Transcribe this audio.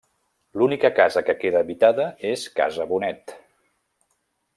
L'única casa que queda habitada és Casa Bonet.